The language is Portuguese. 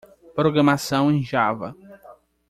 Programação em Java.